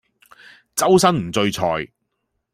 周身唔聚財